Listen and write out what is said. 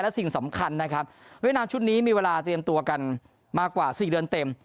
และสิ่งสำคัญนะครับเวียดนามชุดนี้มีเวลาเตรียมตัวกันมากกว่า๔เดือนเต็ม